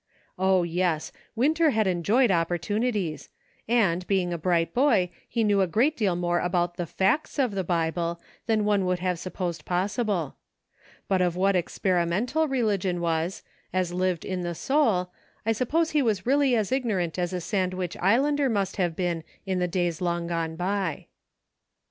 O, yes ! Winter had enjoyed opportunities ; and, being a bright boy, he knew a great deal more about the facts of the Bible than one would have supposed possible. But of what experimental religion was, as lived in the soul, I suppose he was really as ignorant as a Sandwich Islander must have been in the days long gone by.